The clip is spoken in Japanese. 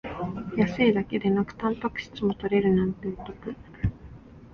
安いだけでなくタンパク質も取れるなんてお得